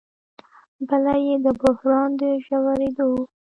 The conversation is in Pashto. بله یې د بحران د ژورېدو